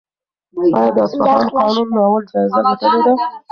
ایا د اصفهان فاتح ناول جایزه ګټلې ده؟